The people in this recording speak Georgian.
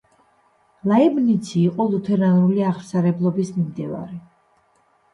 ლაიბნიცი იყო ლუთერანული აღმსარებლობის მიმდევარი.